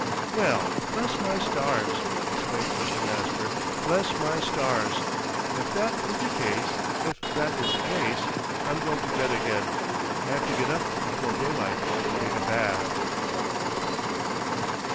"Well, bless my stars!" exclaimed Mr. Master. "Bless my stars! If that is the case if that is the case, I'm going to bed again. I have to get up before daylight to take a bath."